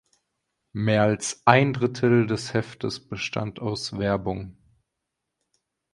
Mehr als ein Drittel des Heftes bestand aus Werbung.